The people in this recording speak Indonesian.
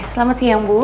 selamat siang bu